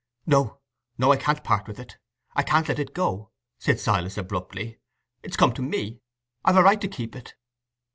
"No—no—I can't part with it, I can't let it go," said Silas, abruptly. "It's come to me—I've a right to keep it."